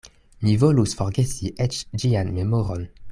Mi volus forgesi eĉ ĝian memoron.